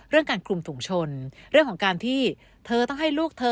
การคลุมถุงชนเรื่องของการที่เธอต้องให้ลูกเธอ